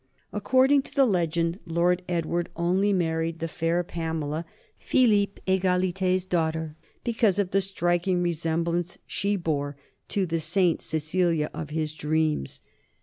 According to the legend Lord Edward only married the fair Pamela, Philippe Egalité's daughter, because of the striking resemblance she bore to the St. Cecilia of his dreams.